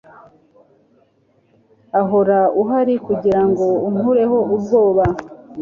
Uhora uhari kugirango unkureho ubwoba